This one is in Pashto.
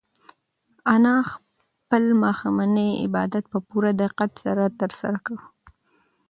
انا خپل ماښامنی عبادت په پوره دقت ترسره کړی و.